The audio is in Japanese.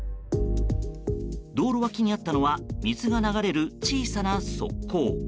道路脇にあったのは水が流れる小さな側溝。